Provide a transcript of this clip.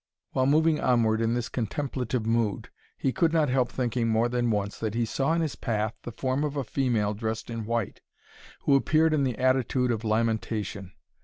While moving onward in this contemplative mood, he could not help thinking more than once, that he saw in his path the form of a female dressed in white, who appeared in the attitude of lamentation.